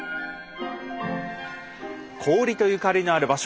氷とゆかりのある場所